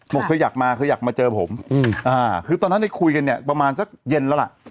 บอกเคยอยากมาเคยอยากมาเจอผมคือตอนนั้นได้คุยกันเนี่ยประมาณสักเย็นแล้วล่ะ